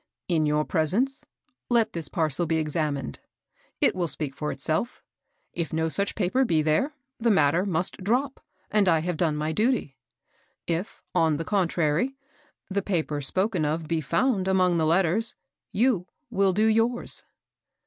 In your presence let this parcel be examined. It will speak for itself. If no such paper be there, the matter must drop, and I have done my duty ; if, on the coQtprary, the paper spoken of be found among the letters, you will do yours."